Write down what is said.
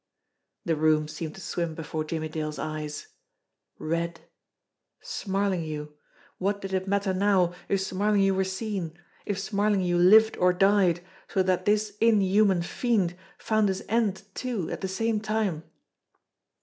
The room seemed to swim before Jimmie Dale's eyes red. Smarlinghue ! What did it matter now if Smarlinghue were seen, if Smarlinghue lived or died, so that this inhuman fiend found his end too at the same time!